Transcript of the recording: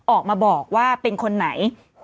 ออกมาบอกว่าเป็นคนไหน